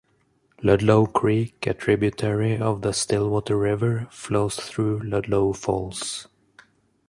Ludlow Creek, a tributary of the Stillwater River, flows through Ludlow Falls.